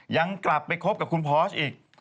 ยังกลับไปคบกับคุณพอสอีก